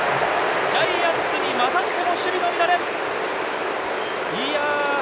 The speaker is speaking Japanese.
ジャイアンツにまたしても守備の乱れ。